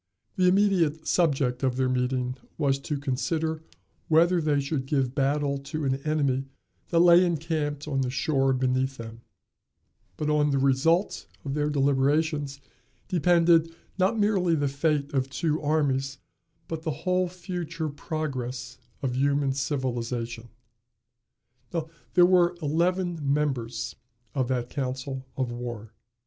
The immediate subject of their meeting was to consider whether they should give battle to an enemy that lay encamped on the shore beneath them; but on the result of their deliberations depended, not merely the fate of two armies, but the whole future progress of human civilization. There were eleven members of that council of war.